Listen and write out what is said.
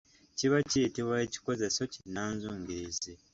Kiba kiyitiwa ekikozeso kinnanzungirizi .